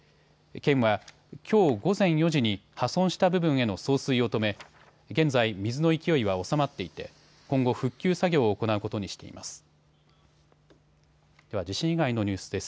県はきょう午前４時に破損した部分への送水を止め現在、水の勢いは収まっていて今後、復旧作業を行うことにしています。